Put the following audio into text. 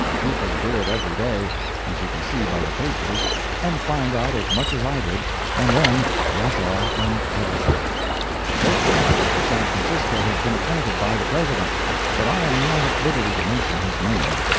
People do it every day, as you can see by the papers, and find out as much as I did, and then rush off and publish it. The Postmaster for San Francisco has been appointed by the President, but I am not at liberty to mention his name.